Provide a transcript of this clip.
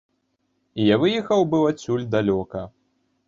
І я выехаў быў адсюль далёка.